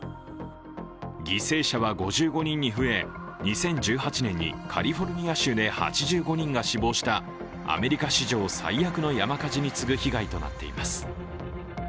犠牲者は５５人に増え、２０１８年にカリフォルニア州で８５人が死亡したアメリカ史上最悪の山火事に次ぐ被害となっています。